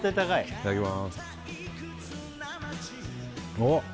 いただきますあっ